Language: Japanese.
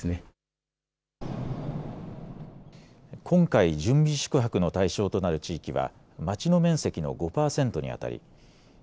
今回、準備宿泊の対象となる地域は町の面積の５％にあたり